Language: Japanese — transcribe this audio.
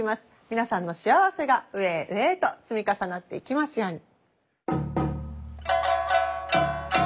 皆さんの幸せが上へ上へと積み重なっていきますように。